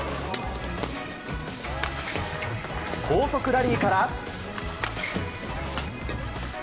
高速ラリーから。